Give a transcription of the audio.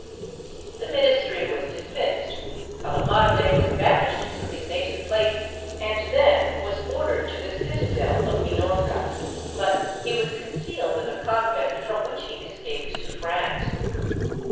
The ministry was dismissed ; Calomarde was banished to his native place, and then was ordered to the citadel of Minorca, but he was concealed in a convent from which he escaped to France.